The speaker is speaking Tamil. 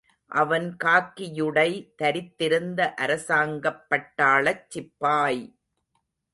அவன் காக்கியுடை தரித்திருந்த அரசாங்கப் பட்டாளச் சிப்பாய்!